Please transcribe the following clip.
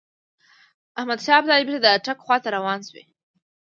احمدشاه ابدالي بیرته د اټک خواته روان شوی.